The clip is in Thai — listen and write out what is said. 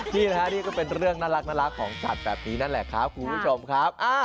นี่แหละนี่ก็เป็นเรื่องน่ารักของสัตว์แบบนี้นั่นแหละครับคุณผู้ชมครับ